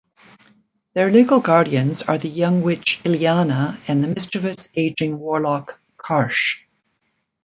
Their legal guardians are the young witch Ileana and the mischievous, aging warlock Karsh.